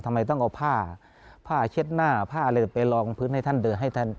ทำไมต้องเอาผ้าผ้าเช็ดหน้าผ้าอะไรไปลองพื้นให้ท่านเดินให้ท่าน